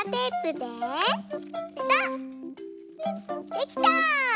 できた！